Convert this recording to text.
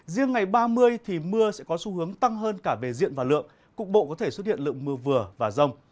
riêng ngày ba mươi thì mưa sẽ có xu hướng tăng hơn cả về diện và lượng cục bộ có thể xuất hiện lượng mưa vừa và rông